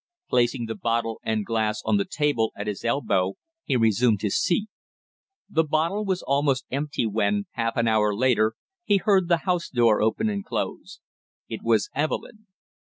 Placing the bottle and glass on the table at his elbow, he resumed his seat. The bottle was almost empty when, half an hour later, he heard the house door open and close. It was Evelyn.